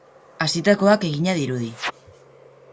Hasitakoak egina dirudi.